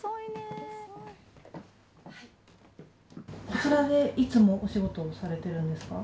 こちらでいつもお仕事をされているんですか？